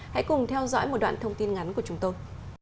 hãy cùng theo dõi một đoạn thông tin ngắn của chúng tôi